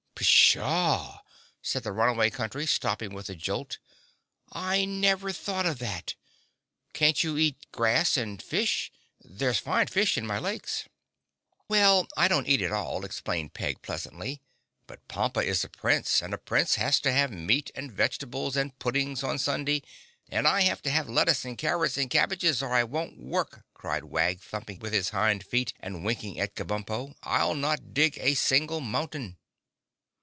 "Pshaw!" said the Runaway Country, stopping with a jolt, "I never thought of that. Can't you eat grass and fish? There's fine fish in my lakes." "Well, I don't eat at all," explained Peg pleasantly, "but Pompa is a Prince and a Prince has to have meat and vegetables and puddings on Sunday—" "And I have to have lettuce and carrots and cabbages, or I won't work!" cried Wag, thumping with his hind feet and winking at Kabumpo. "I'll not dig a single mountain!"